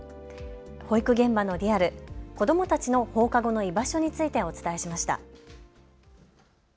保育現場のリアル、子どもたちの放課後の居場所についてお伝えしました。